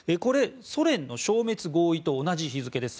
ソ連の消滅合意と同じ日付です。